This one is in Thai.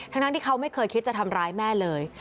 ทั้งที่เขาไม่เคยคิดจะทำร้ายแม่เลย